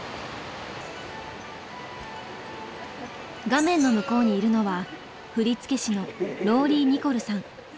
画面の向こうにいるのは振付師のローリー・ニコルさん。